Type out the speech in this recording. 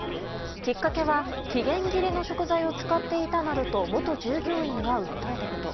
きっかけは期限切れの食材を使っていたなどと元従業員が訴えたこと。